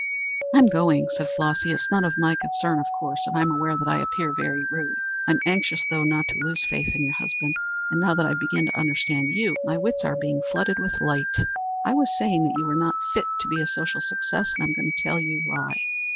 "I'm going," said Flossy. "It's none of my concern of course, and I'm aware that I appear very rude. I'm anxious though not to lose faith in your husband, and now that I've begun to understand you, my wits are being flooded with light. I was saying that you were not fit to be a social success, and I'm going to tell you why.